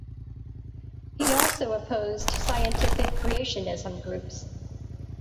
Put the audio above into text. He also opposed scientific creationism groups.